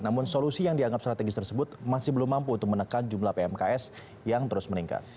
namun solusi yang dianggap strategis tersebut masih belum mampu untuk menekan jumlah pmks yang terus meningkat